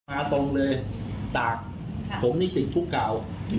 มาตรงเลยตากผมนี้ติดกุ๊กเก่า